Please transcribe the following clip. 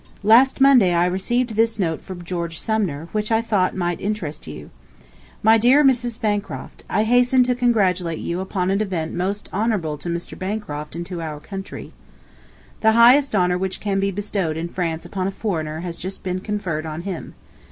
. Last Monday I received [this] note from George Sumner, which I thought might interest you: "My dear Mrs. Bancroft: I hasten to congratulate you upon an event most honorable to Mr. Bancroft and to our country. The highest honor which can be bestowed in France upon a foreigner has just been conferred on him.